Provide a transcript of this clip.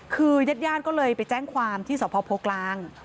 คือเย็ดก็เลยไปแจ้งความที่สหพโพกลาง